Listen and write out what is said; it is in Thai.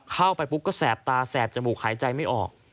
เข้าไปปุ๊บก็แสบตาแสบจมูกหายใจไม่ออก